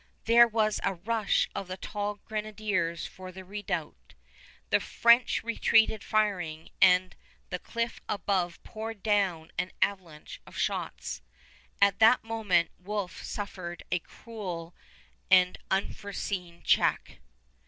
There was a rush of the tall grenadiers for the redoubt. The French retreated firing, and the cliff above poured down an avalanche of shots. At that moment Wolfe suffered a cruel and unforeseen check.